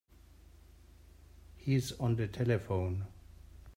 He's on the telephone.